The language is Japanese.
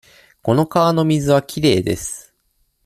この川の水はきれいです。